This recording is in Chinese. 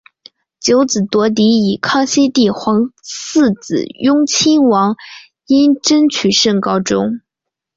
九子夺嫡以康熙帝皇四子雍亲王胤禛取胜告终。